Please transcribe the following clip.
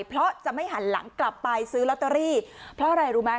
เพราะจะไม่หันหลังกลับไปซื้อลอตเตอรี่เพราะอะไรรู้ไหม